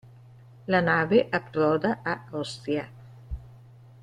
La nave approda a Ostia.